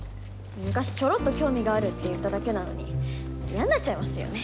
昔ちょろっと興味があるって言っただけなのにやんなっちゃいますよね。